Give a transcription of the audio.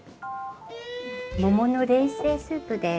桃の冷製スープです。